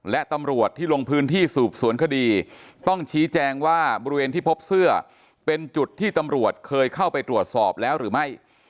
และตำรวจที่ลงพื้นที่สูบสวนคดีต้องชี้แจงว่าบริเวณที่พบเสื้อเป็นจุดที่ตำรวจเคยเข้าไปตรวจสอบแล้วหรือไม่